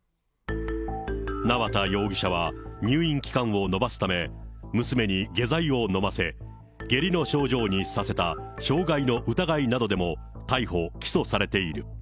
縄田容疑者は、入院期間を延ばすため、娘に下剤を飲ませ、下痢の症状にさせた傷害の疑いなどでも逮捕・起訴されている。